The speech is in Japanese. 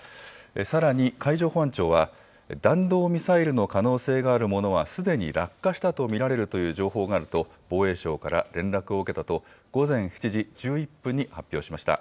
さらに海上保安庁は、弾道ミサイルの可能性があるものはすでに落下したと見られるという情報があると防衛省から連絡を受けたと午前７時１１分に発表しました。